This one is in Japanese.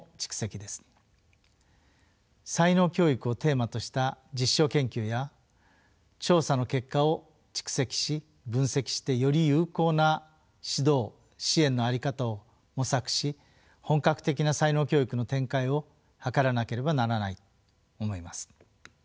才能教育をテーマとした実証研究や調査の結果を蓄積し分析してより有効な指導・支援の在り方を模索し本格的な才能教育の展開を図らなければならない思います。